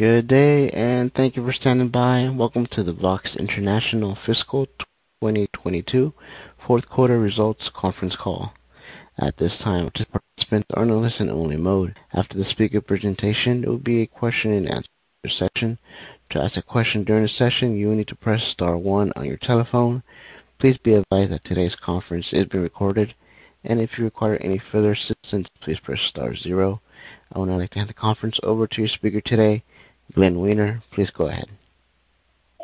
Good day, and thank you for standing by. Welcome to the VOXX International Fiscal 2022 fourth quarter results conference call. At this time, participants are in a listen-only mode. After the speaker's presentation, there will be a question-and-answer session. To ask a question during the session, you will need to press star one on your telephone. Please be advised that today's conference is being recorded. If you require any further assistance, please press star zero. I would now like to hand the conference over to your speaker today, Glenn Wiener. Please go ahead.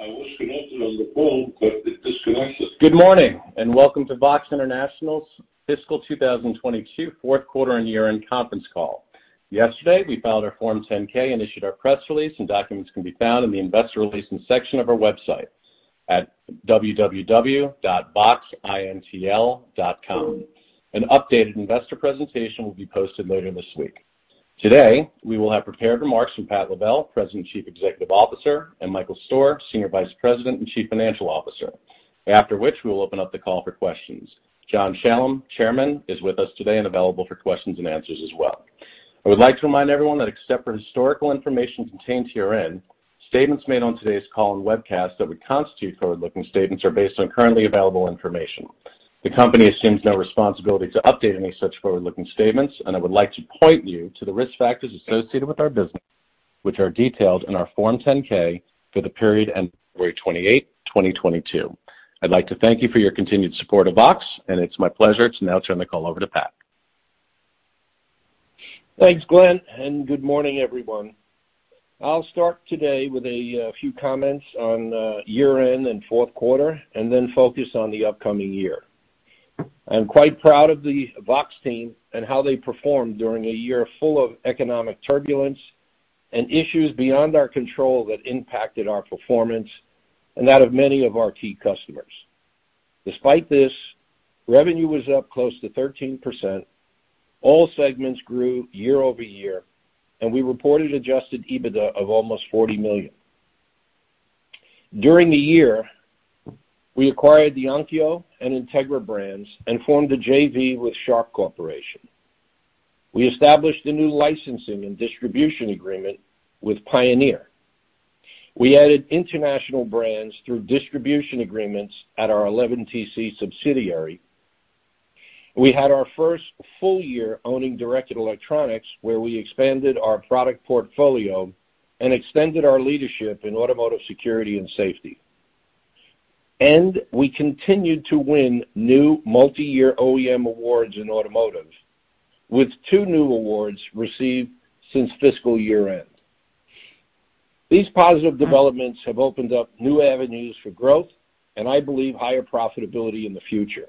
I was connected on the call, but it disconnected. Good morning, and welcome to VOXX International's Fiscal 2022 fourth quarter and year-end conference call. Yesterday, we filed our Form 10-K and issued our press release, and documents can be found in the investor relations section of our website at www.voxxintl.com. An updated investor presentation will be posted later this week. Today, we will have prepared remarks from Pat Lavelle, President and Chief Executive Officer, and Michael Stoehr, Senior Vice President and Chief Financial Officer, after which we will open up the call for questions. John Shalam, Chairman, is with us today and available for questions and answers as well. I would like to remind everyone that except for historical information contained herein, statements made on today's call and webcast that would constitute forward-looking statements are based on currently available information. The company assumes no responsibility to update any such forward-looking statements, and I would like to point you to the risk factors associated with our business, which are detailed in our Form 10-K for the period ending February 28, 2022. I'd like to thank you for your continued support of VOXX, and it's my pleasure to now turn the call over to Pat. Thanks, Glenn, and good morning, everyone. I'll start today with a few comments on year-end and fourth quarter and then focus on the upcoming year. I'm quite proud of the VOXX team and how they performed during a year full of economic turbulence and issues beyond our control that impacted our performance and that of many of our key customers. Despite this, revenue was up close to 13%. All segments grew year-over-year, and we reported Adjusted EBITDA of almost $40 million. During the year, we acquired the Onkyo and Integra brands and formed a JV with Sharp Corporation. We established a new licensing and distribution agreement with Pioneer. We added international brands through distribution agreements at our 11TC subsidiary. We had our first full year owning Directed Electronics, where we expanded our product portfolio and extended our leadership in automotive security and safety. We continued to win new multi-year OEM awards in automotive, with two new awards received since fiscal year-end. These positive developments have opened up new avenues for growth and I believe higher profitability in the future.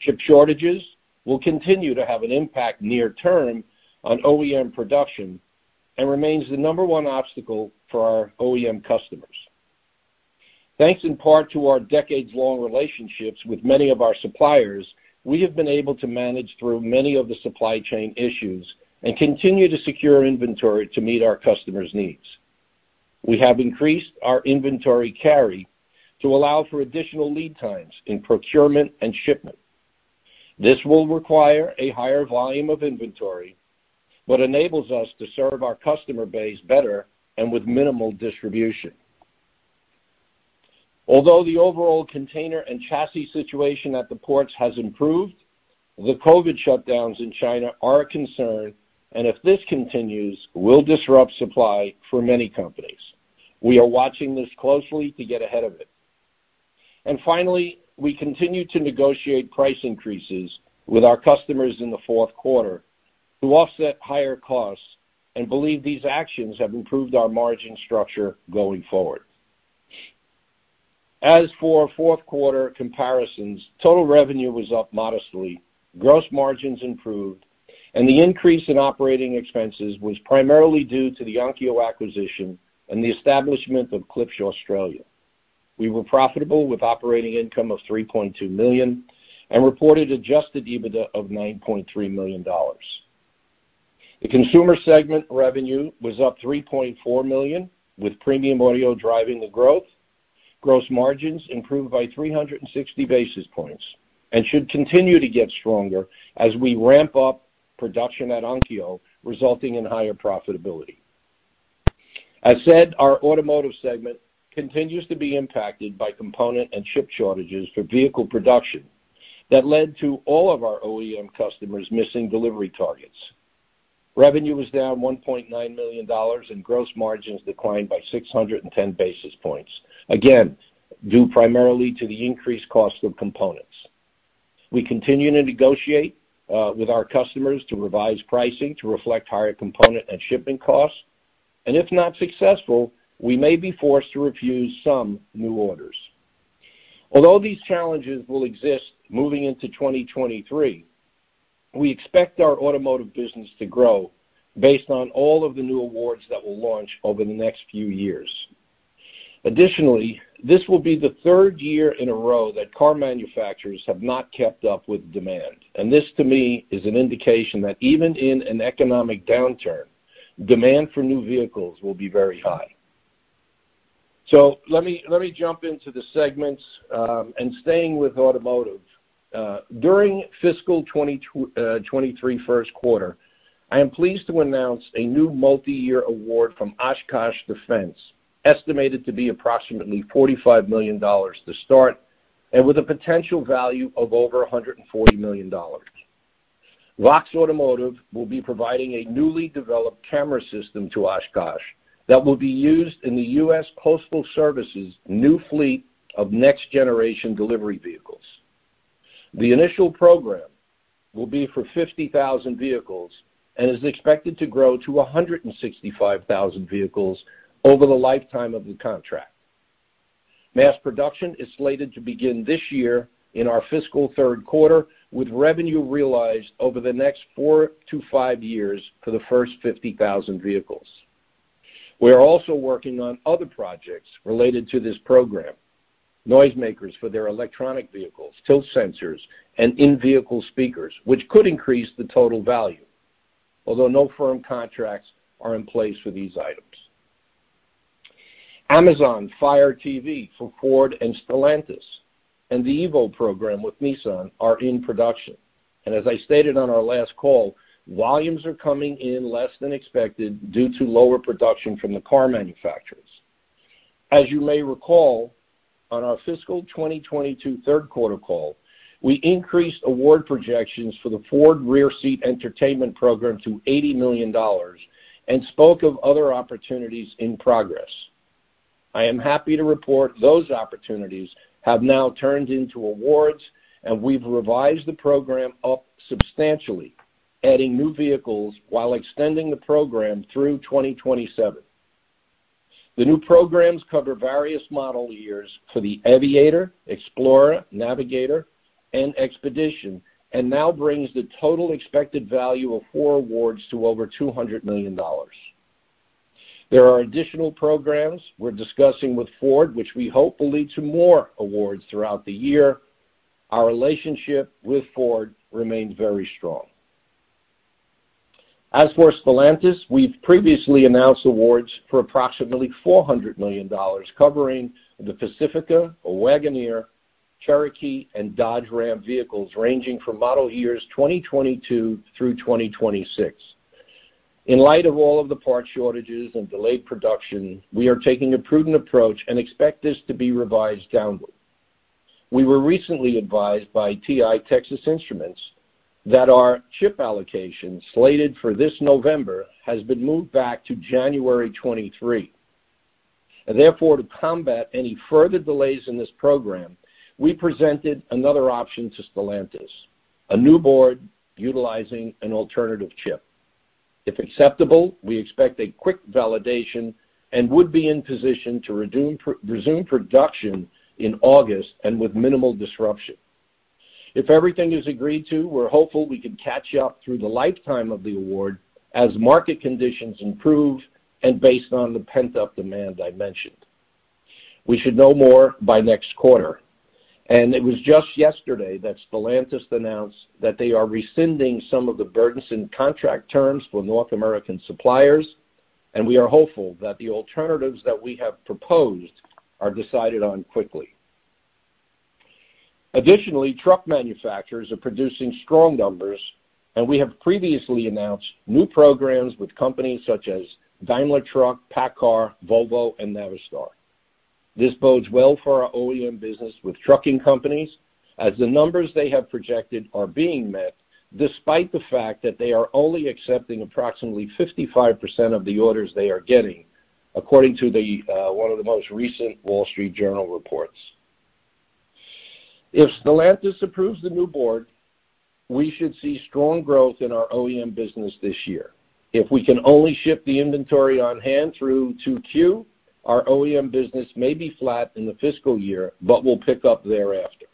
Chip shortages will continue to have an impact near term on OEM production and remains the number one obstacle for our OEM customers. Thanks in part to our decades-long relationships with many of our suppliers, we have been able to manage through many of the supply chain issues and continue to secure inventory to meet our customers' needs. We have increased our inventory carry to allow for additional lead times in procurement and shipment. This will require a higher volume of inventory, but enables us to serve our customer base better and with minimal distribution. Although the overall container and chassis situation at the ports has improved, the COVID shutdowns in China are a concern and if this continues, will disrupt supply for many companies. We are watching this closely to get ahead of it. Finally, we continue to negotiate price increases with our customers in the fourth quarter to offset higher costs and believe these actions have improved our margin structure going forward. As for fourth quarter comparisons, total revenue was up modestly, gross margins improved, and the increase in operating expenses was primarily due to the Onkyo acquisition and the establishment of Klipsch Australia. We were profitable with operating income of $3.2 million and reported adjusted EBITDA of $9.3 million. The consumer segment revenue was up $3.4 million, with premium audio driving the growth. Gross margins improved by 360 basis points and should continue to get stronger as we ramp up production at Onkyo, resulting in higher profitability. As said, our automotive segment continues to be impacted by component and chip shortages for vehicle production that led to all of our OEM customers missing delivery targets. Revenue was down $1.9 million, and gross margins declined by 610 basis points, again, due primarily to the increased cost of components. We continue to negotiate with our customers to revise pricing to reflect higher component and shipping costs, and if not successful, we may be forced to refuse some new orders. Although these challenges will exist moving into 2023, we expect our automotive business to grow based on all of the new awards that will launch over the next few years. Additionally, this will be the third year in a row that car manufacturers have not kept up with demand. This to me is an indication that even in an economic downturn, demand for new vehicles will be very high. Let me jump into the segments, and staying with automotive. During fiscal 2023 first quarter, I am pleased to announce a new multi-year award from Oshkosh Defense, estimated to be approximately $45 million to start, and with a potential value of over $140 million. VOXX Automotive will be providing a newly developed camera system to Oshkosh that will be used in the U.S. Postal Service's new fleet of next-generation delivery vehicles. The initial program will be for 50,000 vehicles and is expected to grow to 165,000 vehicles over the lifetime of the contract. Mass production is slated to begin this year in our fiscal third quarter, with revenue realized over the next four-five years for the first 50,000 vehicles. We are also working on other projects related to this program, noise makers for their electric vehicles, tilt sensors, and in-vehicle speakers, which could increase the total value, although no firm contracts are in place for these items. Amazon Fire TV for Ford and Stellantis and the EVO program with Nissan are in production, and as I stated on our last call, volumes are coming in less than expected due to lower production from the car manufacturers. As you may recall, on our fiscal 2022 third quarter call, we increased award projections for the Ford Rear Seat Entertainment program to $80 million and spoke of other opportunities in progress. I am happy to report those opportunities have now turned into awards, and we've revised the program up substantially, adding new vehicles while extending the program through 2027. The new programs cover various model years for the Aviator, Explorer, Navigator, and Expedition, and now brings the total expected value of four awards to over $200 million. There are additional programs we're discussing with Ford, which we hope will lead to more awards throughout the year. Our relationship with Ford remains very strong. As for Stellantis, we've previously announced awards for approximately $400 million, covering the Pacifica or Wagoneer, Cherokee, and Dodge Ram vehicles, ranging from model years 2022 through 2026. In light of all of the parts shortages and delayed production, we are taking a prudent approach and expect this to be revised downward. We were recently advised by Texas Instruments that our chip allocation slated for this November has been moved back to January 2023. Therefore, to combat any further delays in this program, we presented another option to Stellantis, a new board utilizing an alternative chip. If acceptable, we expect a quick validation and would be in position to resume production in August and with minimal disruption. If everything is agreed to, we're hopeful we can catch up through the lifetime of the award as market conditions improve and based on the pent-up demand I mentioned. We should know more by next quarter. It was just yesterday that Stellantis announced that they are rescinding some of the burdensome contract terms for North American suppliers, and we are hopeful that the alternatives that we have proposed are decided on quickly. Additionally, truck manufacturers are producing strong numbers, and we have previously announced new programs with companies such as Daimler Truck, PACCAR, Volvo, and Navistar. This bodes well for our OEM business with trucking companies as the numbers they have projected are being met despite the fact that they are only accepting approximately 55% of the orders they are getting according to one of the most recent The Wall Street Journal reports. If Stellantis approves the new board, we should see strong growth in our OEM business this year. If we can only ship the inventory on hand through 2Q, our OEM business may be flat in the fiscal year but will pick up thereafter.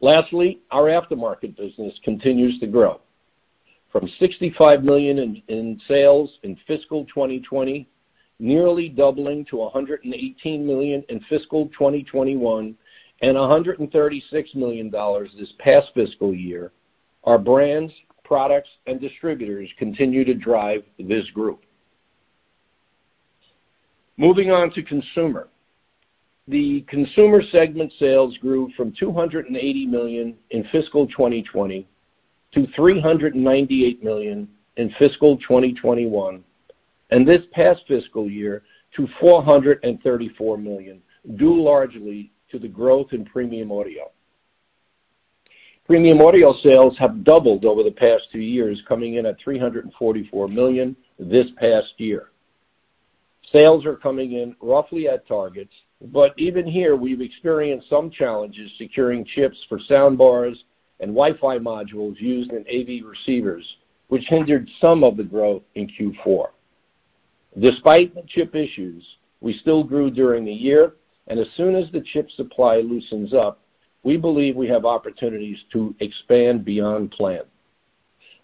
Lastly, our aftermarket business continues to grow from $65 million in sales in fiscal 2020, nearly doubling to $118 million in fiscal 2021 and $136 million this past fiscal year. Our brands, products, and distributors continue to drive this group. Moving on to consumer. The consumer segment sales grew from $280 million in fiscal 2020-$398 million in fiscal 2021, and this past fiscal year to $434 million, due largely to the growth in premium audio. Premium audio sales have doubled over the past two years, coming in at $344 million this past year. Sales are coming in roughly at targets, but even here, we've experienced some challenges securing chips for sound bars and Wi-Fi modules used in AV receivers, which hindered some of the growth in Q4. Despite the chip issues, we still grew during the year, and as soon as the chip supply loosens up, we believe we have opportunities to expand beyond plan.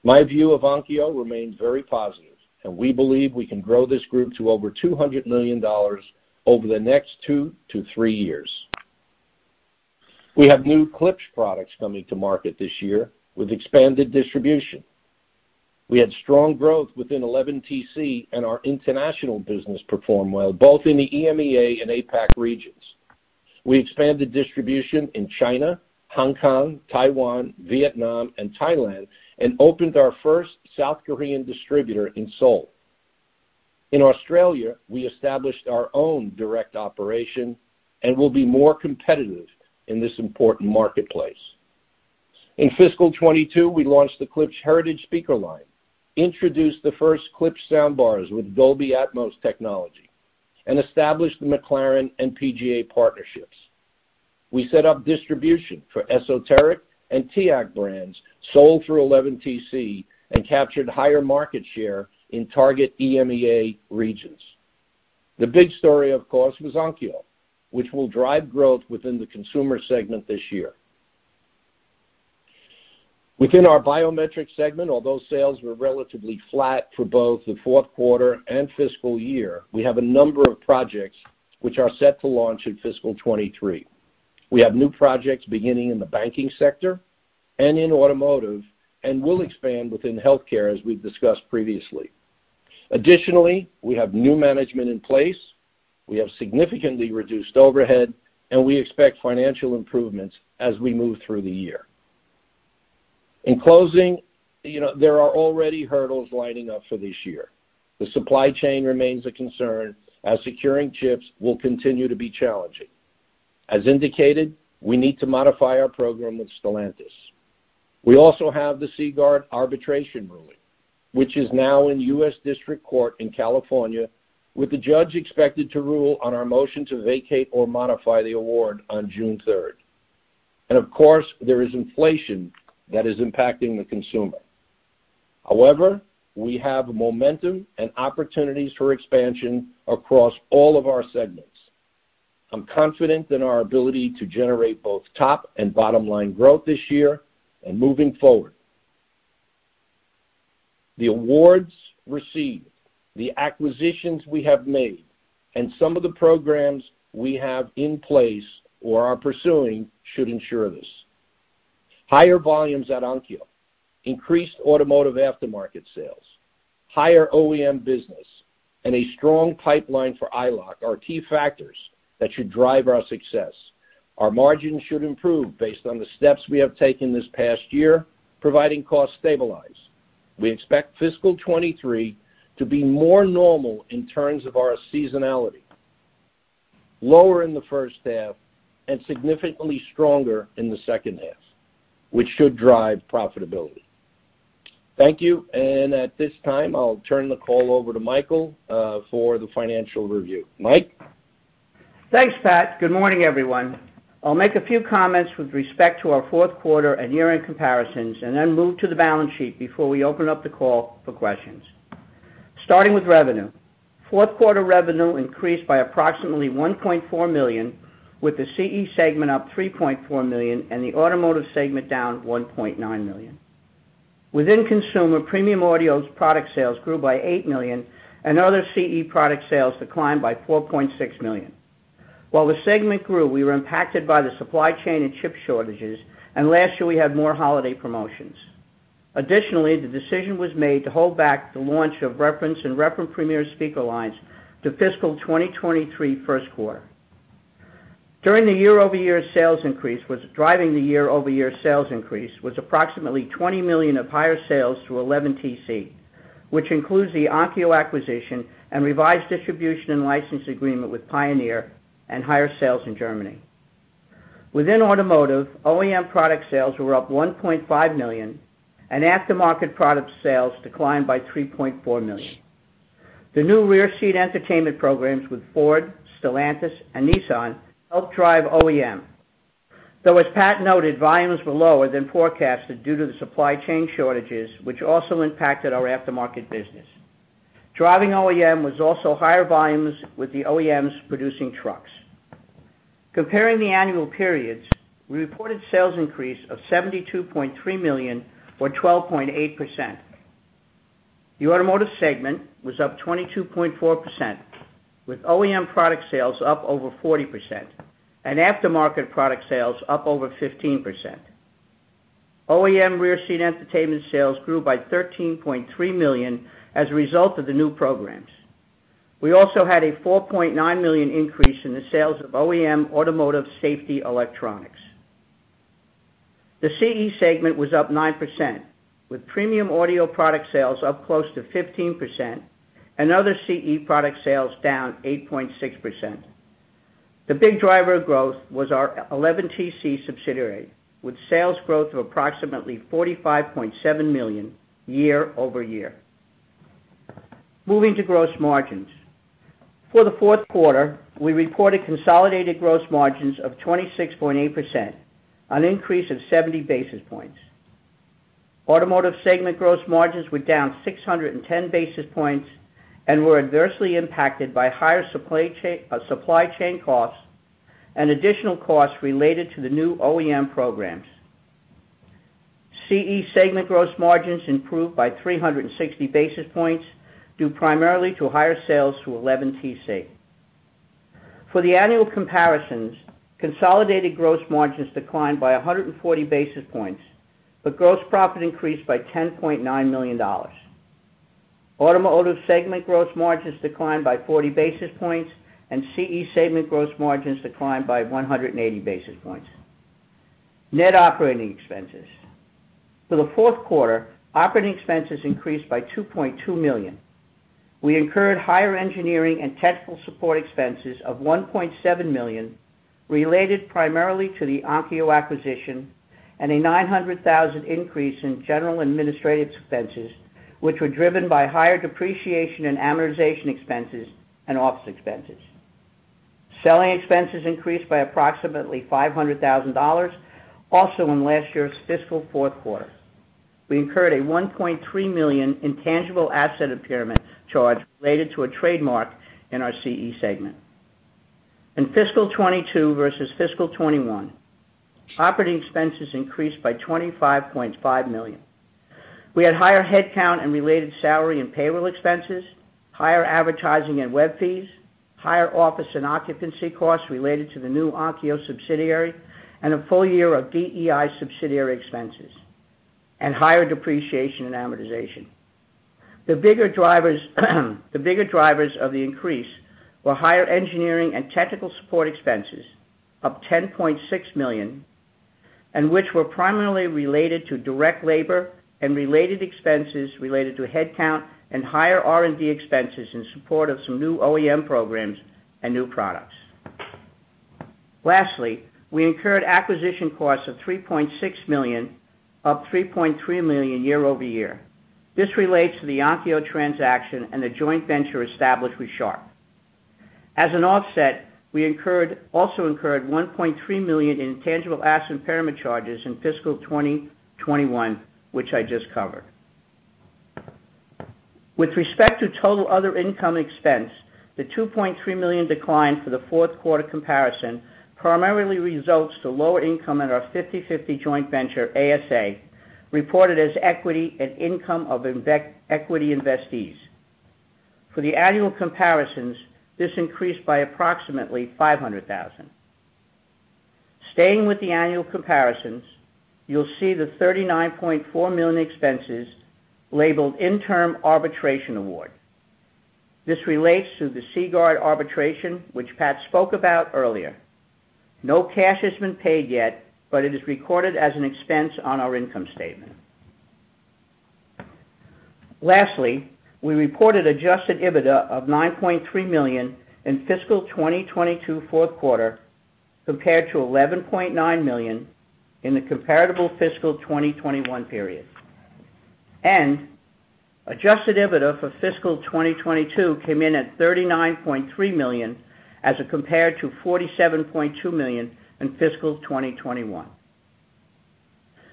My view of Onkyo remains very positive, and we believe we can grow this group to over $200 million over the next two-three years. We have new Klipsch products coming to market this year with expanded distribution. We had strong growth within 11TC and our international business performed well both in the EMEA and APAC regions. We expanded distribution in China, Hong Kong, Taiwan, Vietnam, and Thailand and opened our first South Korean distributor in Seoul. In Australia, we established our own direct operation and will be more competitive in this important marketplace. In fiscal 2022, we launched the Klipsch Heritage speaker line, introduced the first Klipsch soundbars with Dolby Atmos technology, and established the McLaren and PGA partnerships. We set up distribution for Esoteric and TEAC brands sold through 11TC and captured higher market share in target EMEA regions. The big story, of course, was Onkyo, which will drive growth within the consumer segment this year. Within our biometrics segment, although sales were relatively flat for both the fourth quarter and fiscal year, we have a number of projects which are set to launch in fiscal 2023. We have new projects beginning in the banking sector and in automotive, and will expand within healthcare as we've discussed previously. Additionally, we have new management in place, we have significantly reduced overhead, and we expect financial improvements as we move through the year. In closing, you know, there are already hurdles lining up for this year. The supply chain remains a concern as securing chips will continue to be challenging. As indicated, we need to modify our program with Stellantis. We also have the Seaguard arbitration ruling, which is now in U.S. District Court in California, with the judge expected to rule on our motion to vacate or modify the award on June 3rd. Of course, there is inflation that is impacting the consumer. However, we have momentum and opportunities for expansion across all of our segments. I'm confident in our ability to generate both top and bottom line growth this year and moving forward. The awards received, the acquisitions we have made, and some of the programs we have in place or are pursuing should ensure this. Higher volumes at Onkyo, increased automotive aftermarket sales, higher OEM business, and a strong pipeline for EyeLock are key factors that should drive our success. Our margins should improve based on the steps we have taken this past year, providing costs stabilize. We expect fiscal 2023 to be more normal in terms of our seasonality, lower in the first half and significantly stronger in the second half, which should drive profitability. Thank you. At this time, I'll turn the call over to Michael for the financial review. Mike? Thanks, Pat. Good morning, everyone. I'll make a few comments with respect to our fourth quarter and year-end comparisons and then move to the balance sheet before we open up the call for questions. Starting with revenue, fourth quarter revenue increased by approximately $1.4 million, with the CE segment up $3.4 million and the automotive segment down $1.9 million. Within consumer, Premium Audio's product sales grew by $8 million and other CE product sales declined by $4.6 million. While the segment grew, we were impacted by the supply chain and chip shortages, and last year we had more holiday promotions. Additionally, the decision was made to hold back the launch of Reference and Reference Premiere speaker lines to fiscal 2023 first quarter. Driving the year-over-year sales increase was approximately $20 million of higher sales through 11TC, which includes the Onkyo acquisition and revised distribution and license agreement with Pioneer and higher sales in Germany. Within automotive, OEM product sales were up $1.5 million, and aftermarket product sales declined by $3.4 million. The new rear seat entertainment programs with Ford, Stellantis, and Nissan helped drive OEM. Though, as Pat noted, volumes were lower than forecasted due to the supply chain shortages, which also impacted our aftermarket business. Driving OEM was also higher volumes with the OEMs producing trucks. Comparing the annual periods, we reported sales increase of $72.3 million or 12.8%. The automotive segment was up 22.4%, with OEM product sales up over 40% and aftermarket product sales up over 15%. OEM rear seat entertainment sales grew by $13.3 million as a result of the new programs. We also had a $4.9 million increase in the sales of OEM automotive safety electronics. The CE segment was up 9%, with premium audio product sales up close to 15% and other CE product sales down 8.6%. The big driver of growth was our 11TC subsidiary, with sales growth of approximately $45.7 million year-over-year. Moving to gross margins. For the fourth quarter, we reported consolidated gross margins of 26.8%, an increase of 70 basis points. Automotive segment gross margins were down 610 basis points and were adversely impacted by higher supply chain costs and additional costs related to the new OEM programs. CE segment gross margins improved by 360 basis points, due primarily to higher sales to 11TC. For the annual comparisons, consolidated gross margins declined by 140 basis points, but gross profit increased by $10.9 million. Automotive segment gross margins declined by 40 basis points and CE segment gross margins declined by 180 basis points. Net operating expenses. For the fourth quarter, operating expenses increased by $2.2 million. We incurred higher engineering and technical support expenses of $1.7 million, related primarily to the Onkyo acquisition and a $900,000 increase in general administrative expenses, which were driven by higher depreciation and amortization expenses and office expenses. Selling expenses increased by approximately $500,000 also in last year's fiscal fourth quarter. We incurred a $1.3 million intangible asset impairment charge related to a trademark in our CE segment. In fiscal 2022 versus fiscal 2021, operating expenses increased by $25.5 million. We had higher headcount and related salary and payroll expenses, higher advertising and web fees, higher office and occupancy costs related to the new Onkyo subsidiary, and a full year of DEI subsidiary expenses, and higher depreciation and amortization. The bigger drivers of the increase were higher engineering and technical support expenses of $10.6 million, which were primarily related to direct labor and related expenses related to headcount and higher R&D expenses in support of some new OEM programs and new products. Lastly, we incurred acquisition costs of $3.6 million, up $3.3 million year-over-year. This relates to the Onkyo transaction and the joint venture established with Sharp. As an offset, we also incurred $1.3 million in tangible asset impairment charges in fiscal 2021, which I just covered. With respect to total other income expense, the $2.3 million decline for the fourth quarter comparison primarily results from lower income at our 50/50 joint venture, ASA, reported as equity income of equity investees. For the annual comparisons, this increased by approximately $500,000. Staying with the annual comparisons, you'll see the $39.4 million expenses labeled interim arbitration award. This relates to the Seaguard arbitration, which Pat spoke about earlier. No cash has been paid yet, but it is recorded as an expense on our income statement. Lastly, we reported adjusted EBITDA of $9.3 million in fiscal 2022 fourth quarter compared to $11.9 million in the comparable fiscal 2021 period. Adjusted EBITDA for fiscal 2022 came in at $39.3 million, as it compared to $47.2 million in fiscal 2021.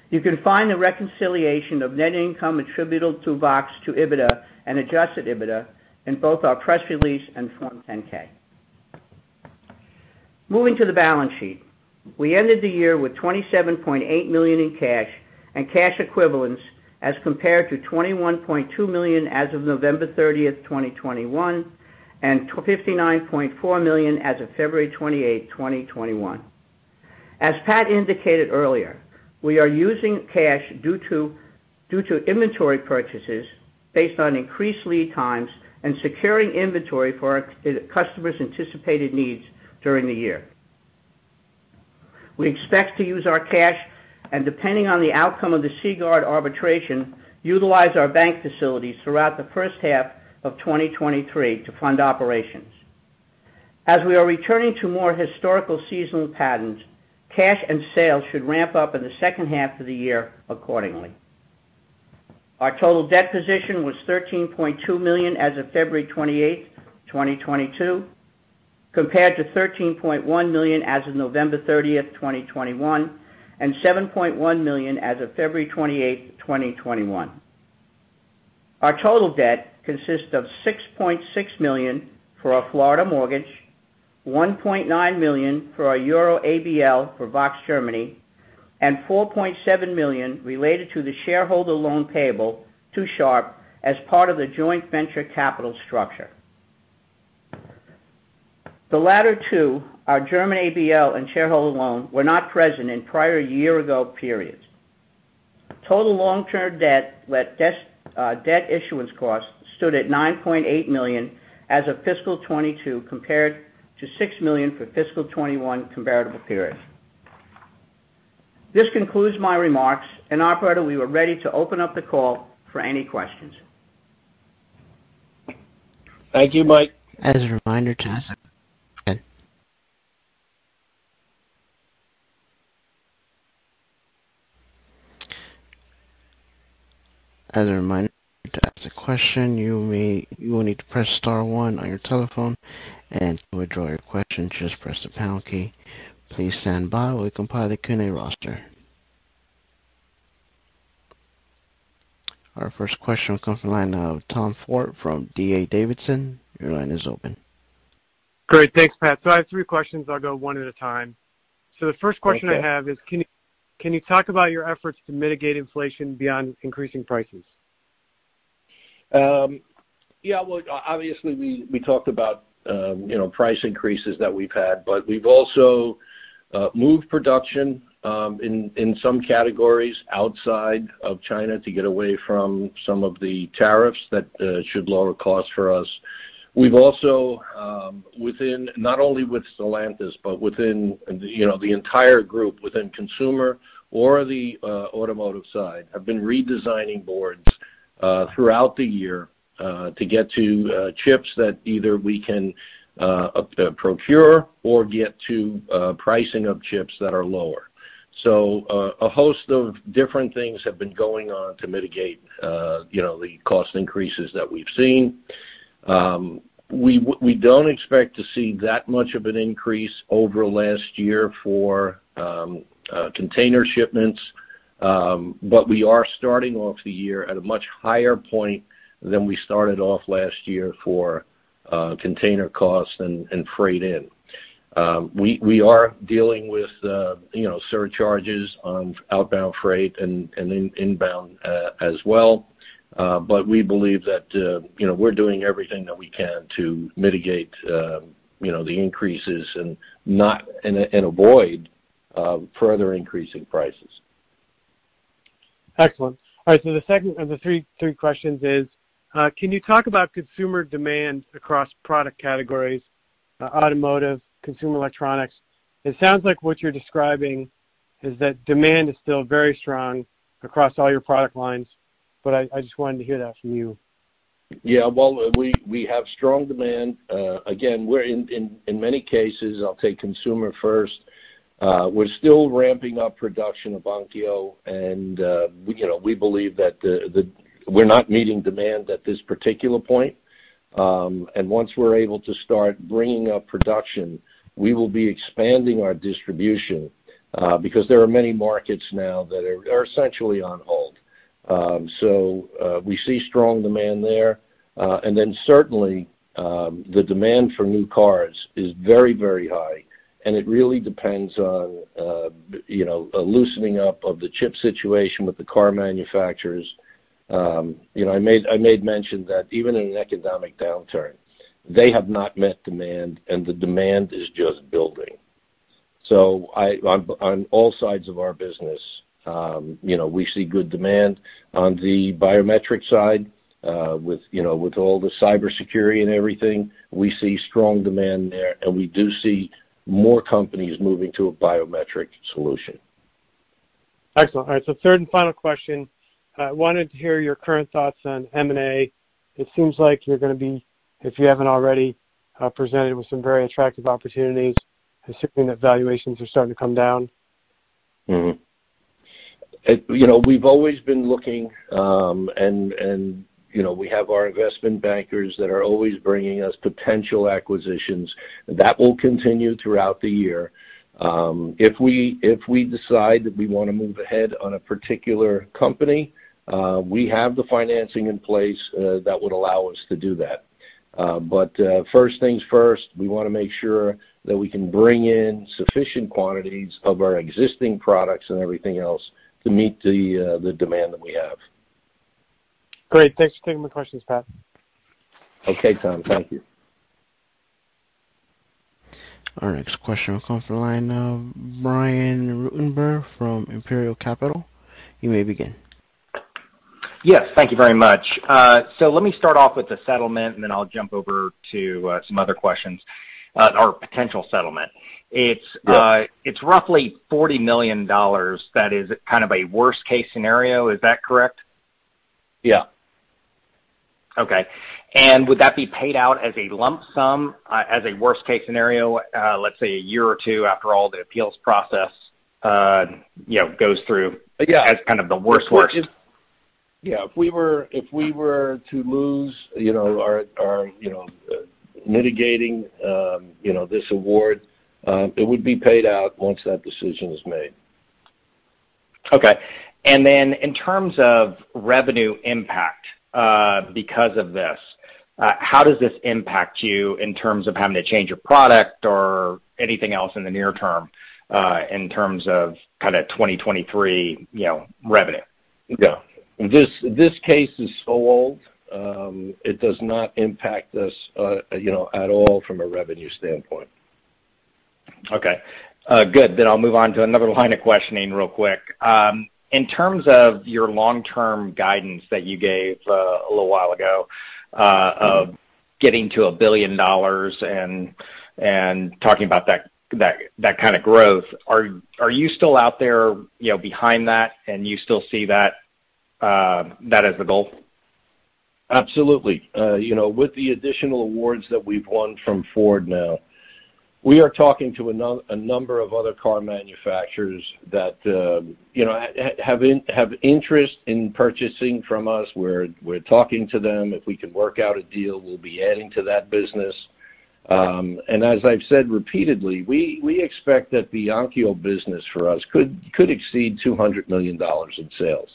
You can find the reconciliation of net income attributable to VOXX to EBITDA and adjusted EBITDA in both our press release and Form 10-K. Moving to the balance sheet. We ended the year with $27.8 million in cash and cash equivalents as compared to $21.2 million as of November 30th, 2021, and $59.4 million as of February 28, 2021. As Pat indicated earlier, we are using cash due to inventory purchases based on increased lead times and securing inventory for our customers' anticipated needs during the year. We expect to use our cash, and depending on the outcome of the Seaguard arbitration, utilize our bank facilities throughout the first half of 2023 to fund operations. As we are returning to more historical seasonal patterns, cash and sales should ramp up in the second half of the year accordingly. Our total debt position was $13.2 million as of February 28, 2022, compared to $13.1 million as of November 30th, 2021, and $7.1 million as of February 28, 2021. Our total debt consists of $6.6 million for our Florida mortgage, 1.9 million for our euro ABL for VOXX Germany, and $4.7 million related to the shareholder loan payable to Sharp as part of the joint venture capital structure. The latter two, our German ABL and shareholder loan, were not present in prior year ago periods. Total long-term debt with debt issuance costs stood at $9.8 million as of fiscal 2022 compared to $6 million for fiscal 2021 comparable periods. This concludes my remarks, and operator, we are ready to open up the call for any questions. Thank you, Mike. As a reminder to ask a question, you will need to press star one on your telephone, and to withdraw your question, just press the pound key. Please stand by while we compile the Q&A roster. Our first question comes from the line of Tom Forte from D.A. Davidson. Your line is open. Great. Thanks, Pat. I have three questions. I'll go one at a time. Okay. The first question I have is can you talk about your efforts to mitigate inflation beyond increasing prices? Yeah, well, obviously, we talked about, you know, price increases that we've had, but we've also moved production in some categories outside of China to get away from some of the tariffs that should lower costs for us. We've also, within not only with Stellantis, but within, you know, the entire group within consumer or the automotive side, have been redesigning boards throughout the year to get to chips that either we can procure or get to pricing of chips that are lower. A host of different things have been going on to mitigate, you know, the cost increases that we've seen. We don't expect to see that much of an increase over last year for container shipments, but we are starting off the year at a much higher point than we started off last year for container costs and freight in. We are dealing with you know, surcharges on outbound freight and inbound as well. We believe that you know, we're doing everything that we can to mitigate you know, the increases and avoid further increase in prices. Excellent. All right. The second of the three questions is, can you talk about consumer demand across product categories, automotive, consumer electronics? It sounds like what you're describing is that demand is still very strong across all your product lines, but I just wanted to hear that from you. Yeah. Well, we have strong demand. Again, we're in many cases. I'll take consumer first. We're still ramping up production of Onkyo, and you know, we believe that we're not meeting demand at this particular point. Once we're able to start bringing up production, we will be expanding our distribution because there are many markets now that are essentially on hold. We see strong demand there. Then certainly, the demand for new cars is very high, and it really depends on you know, a loosening up of the chip situation with the car manufacturers. You know, I made mention that even in an economic downturn, they have not met demand, and the demand is just building. I On all sides of our business, you know, we see good demand. On the biometric side, with you know, with all the cybersecurity and everything, we see strong demand there, and we do see more companies moving to a biometric solution. Excellent. All right, third and final question. Wanted to hear your current thoughts on M&A. It seems like you're gonna be, if you haven't already, presented with some very attractive opportunities, considering that valuations are starting to come down. You know, we've always been looking, and you know, we have our investment bankers that are always bringing us potential acquisitions. That will continue throughout the year. If we decide that we wanna move ahead on a particular company, we have the financing in place that would allow us to do that. First things first, we wanna make sure that we can bring in sufficient quantities of our existing products and everything else to meet the demand that we have. Great. Thanks for taking my questions, Pat. Okay, Tom. Thank you. Our next question comes from the line of Brian Ruttenbur from Imperial Capital. You may begin. Yes, thank you very much. Let me start off with the settlement, and then I'll jump over to some other questions. Or potential settlement. Yeah. It's roughly $40 million that is kind of a worst case scenario. Is that correct? Yeah. Okay. Would that be paid out as a lump sum, as a worst case scenario, let's say a year or two after all the appeals process, you know, goes through? Yeah. As kind of the worst case? Yeah. If we were to lose, you know, our mitigating, you know, this award, it would be paid out once that decision is made. Okay. In terms of revenue impact, because of this, how does this impact you in terms of having to change your product or anything else in the near term, in terms of kinda 2023, you know, revenue? Yeah. This case is so old, it does not impact us, you know, at all from a revenue standpoint. Okay. Good. I'll move on to another line of questioning real quick. In terms of your long-term guidance that you gave a little while ago of getting to $1 billion and talking about that kind of growth, are you still out there, you know, behind that, and you still see that as the goal? Absolutely. You know, with the additional awards that we've won from Ford now, we are talking to a number of other car manufacturers that, you know, have interest in purchasing from us. We're talking to them. If we can work out a deal, we'll be adding to that business. As I've said repeatedly, we expect that the Onkyo business for us could exceed $200 million in sales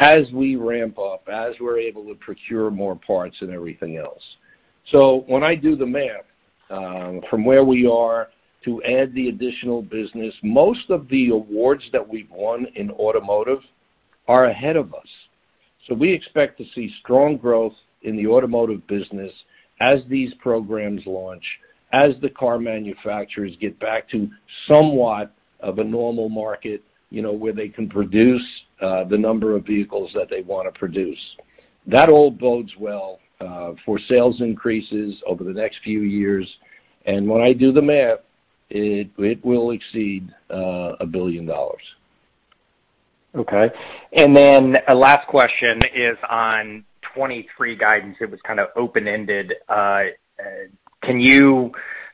as we ramp up, as we're able to procure more parts and everything else. When I do the math, from where we are to add the additional business, most of the awards that we've won in automotive are ahead of us. We expect to see strong growth in the automotive business as these programs launch, as the car manufacturers get back to somewhat of a normal market, you know, where they can produce the number of vehicles that they wanna produce. That all bodes well for sales increases over the next few years. When I do the math, it will exceed $1 billion. Okay. Last question is on 2023 guidance. It was kinda open-ended. Can you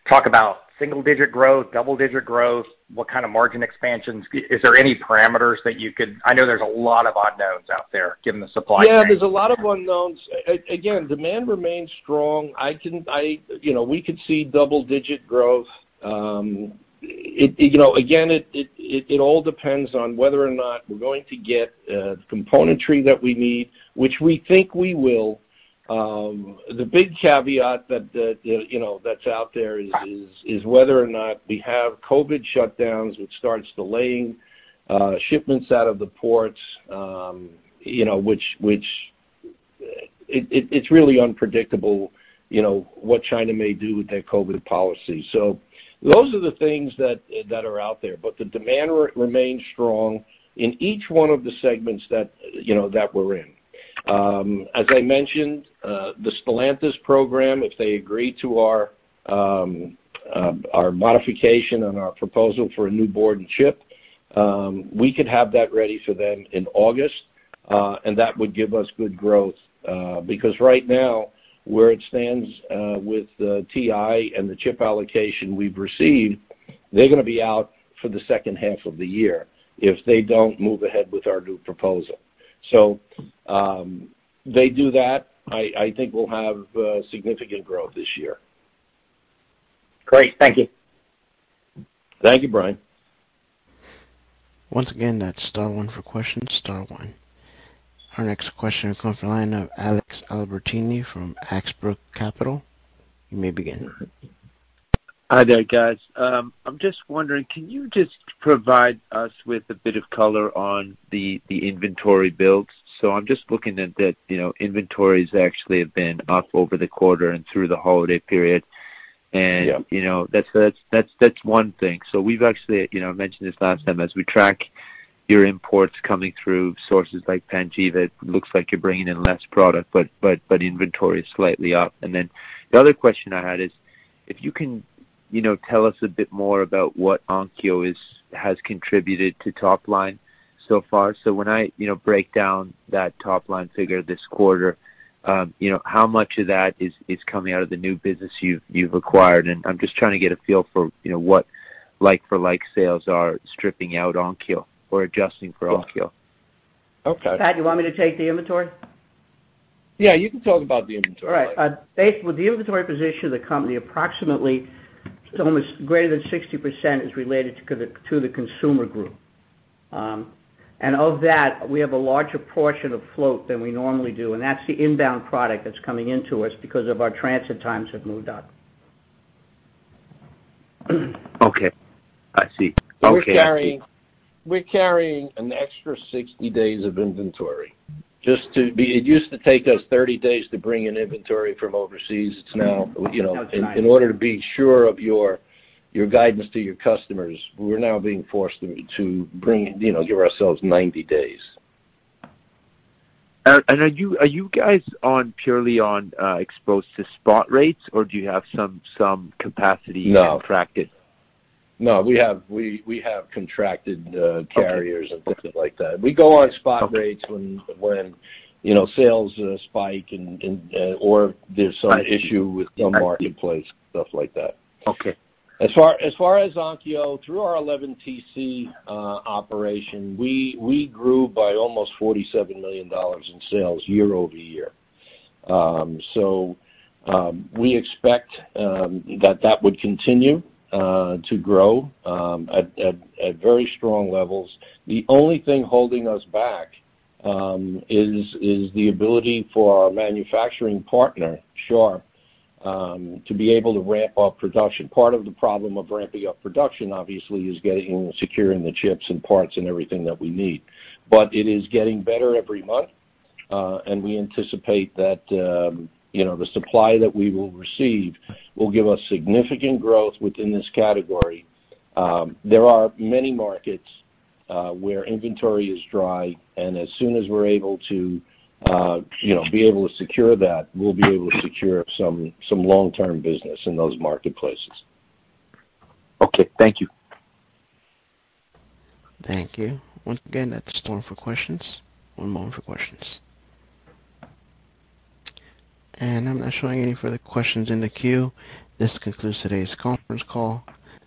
talk about single-digit growth, double-digit growth? What kind of margin expansions? Is there any parameters that you could? I know there's a lot of unknowns out there given the supply chain. Yeah, there's a lot of unknowns. Again, demand remains strong. You know, we could see double-digit growth. You know, again, it all depends on whether or not we're going to get the componentry that we need, which we think we will. The big caveat that you know that's out there is whether or not we have COVID shutdowns, which starts delaying shipments out of the ports, you know, which it's really unpredictable, you know, what China may do with their COVID policy. So those are the things that are out there. The demand remains strong in each one of the segments that you know that we're in. As I mentioned, the Stellantis program, if they agree to our modification on our proposal for a new board and chip, we could have that ready for them in August, and that would give us good growth, because right now, where it stands, with the TI and the chip allocation we've received, they're gonna be out for the second half of the year if they don't move ahead with our new proposal. They do that, I think we'll have significant growth this year. Great. Thank you. Thank you, Brian. Once again, that's star one for questions, star one. Our next question is coming from the line of Alex Albertini from Ashbrook Capital. You may begin. Hi there, guys. I'm just wondering, can you just provide us with a bit of color on the inventory builds? I'm just looking at that, you know, inventories actually have been up over the quarter and through the holiday period. Yeah. You know, that's one thing. We've actually, you know, mentioned this last time, as we track your imports coming through sources like Panjiva, it looks like you're bringing in less product, but inventory is slightly up. The other question I had is, if you can, you know, tell us a bit more about what Onkyo has contributed to top line so far. When I, you know, break down that top line figure this quarter, you know, how much of that is coming out of the new business you've acquired? I'm just trying to get a feel for, you know, what like-for-like sales are stripping out Onkyo or adjusting for Onkyo. Okay. Pat, you want me to take the inventory? Yeah, you can talk about the inventory. All right. With the inventory position of the company, approximately it's almost greater than 60% is related to the consumer group. Of that, we have a larger portion of float than we normally do, and that's the inbound product that's coming into us because of our transit times have moved up. Okay. I see. Okay. We're carrying an extra 60 days of inventory. It used to take us 30 days to bring in inventory from overseas. It's now, you know, in order to be sure of your guidance to your customers, we're now being forced to bring, you know, give ourselves 90 days. Are you guys purely on exposed to spot rates, or do you have some capacity? No. -contracted? No. We have contracted carriers. Okay. things like that. We go on spot rates. Okay. When you know, sales spike and or there's some issue with the marketplace, stuff like that. Okay. As far as Onkyo, through our 11TC operation, we grew by almost $47 million in sales year-over-year. We expect that that would continue to grow at very strong levels. The only thing holding us back is the ability for our manufacturing partner, Sharp, to be able to ramp up production. Part of the problem of ramping up production, obviously, is securing the chips and parts and everything that we need. It is getting better every month, and we anticipate that, you know, the supply that we will receive will give us significant growth within this category. There are many markets where inventory is dry, and as soon as we're able to, you know, be able to secure that, we'll be able to secure some long-term business in those marketplaces. Okay. Thank you. Thank you. Once again, that's star one for questions. One moment for questions. I'm not showing any further questions in the queue. This concludes today's conference call.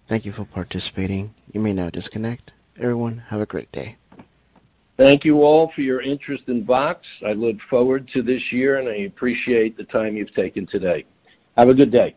Thank you for participating. You may now disconnect. Everyone, have a great day. Thank you all for your interest in VOXX. I look forward to this year, and I appreciate the time you've taken today. Have a good day.